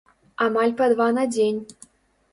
Амаль па два на дзень.